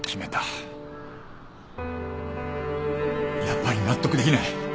やっぱり納得できない。